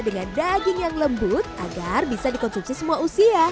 dengan daging yang lembut agar bisa dikonsumsi semua usia